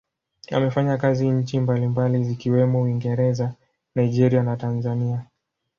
Amefanya kazi nchi mbalimbali zikiwemo Uingereza, Nigeria na Tanzania.